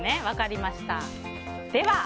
分かりました。